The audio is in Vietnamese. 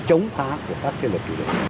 chống phá của các thiên lực chủ đề